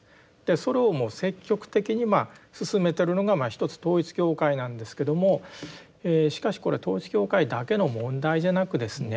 それをもう積極的に進めてるのが一つ統一教会なんですけどもしかしこれ統一教会だけの問題じゃなくですね